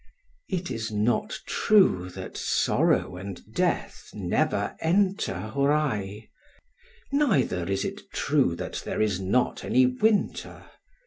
It is not true that sorrow and death never enter Hōrai;—neither is it true that there is not any winter.